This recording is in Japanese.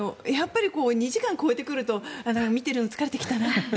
２時間を超えてくるとなかなか見ているの疲れてきたなって。